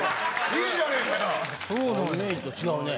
・いいじゃねえかよ・イメージと違うね。